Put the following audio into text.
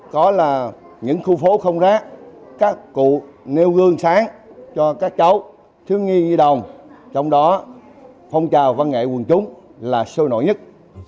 có là những khu phố không rác các cụ nêu gương sáng cho các cháu thiếu nhi đồng trong đó phong trào văn nghệ quần chúng là sôi nổi nhất